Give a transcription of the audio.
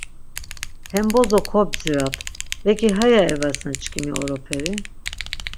Hem bozo kobdzirat, beki heya ivasen çkimi oroperi.